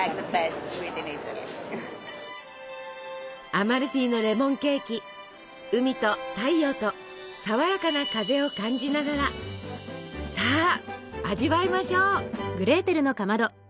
アマルフィのレモンケーキ海と太陽とさわやかな風を感じながらさあ味わいましょう！